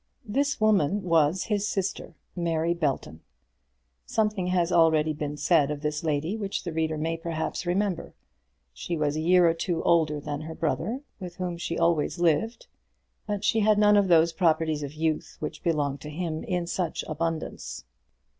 This woman was his sister, Mary Belton. Something has been already said of this lady, which the reader may perhaps remember. She was a year or two older than her brother, with whom she always lived, but she had none of those properties of youth which belonged to him in such abundance.